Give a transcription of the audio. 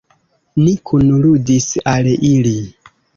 Ni kunludis al ili.